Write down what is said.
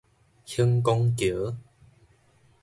恆光橋